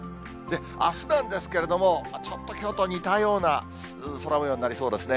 あすなんですけれども、ちょっときょうと似たような空もようになりそうですね。